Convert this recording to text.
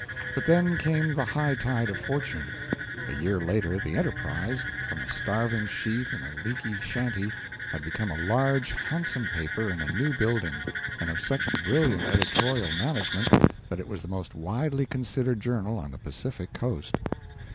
But then came the hightide of fortune. A year later the "Enterprise," from a starving sheet in a leaky shanty, had become a large, handsome paper in a new building, and of such brilliant editorial management that it was the most widely considered journal on the Pacific coast.